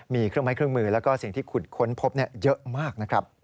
มีเครื่องไม้เครื่องมือแล้วก็สิ่งที่ขุดค้นพบเยอะมากนะครับ